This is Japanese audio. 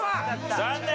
残念！